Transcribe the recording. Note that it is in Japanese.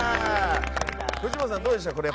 藤本さん、どうでした？